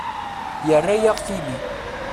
Yerra-yaɣ tili.